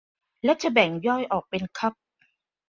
และจะแบ่งย่อยออกเป็นคัพ